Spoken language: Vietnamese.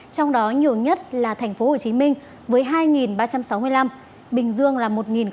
trong đó nhiều nhất là thành phố hồ chí minh với hai ba trăm sáu mươi năm bình dương là một ba mươi hai